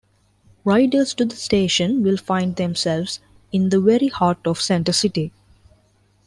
Riders to the station will find themselves in the very heart of Center City.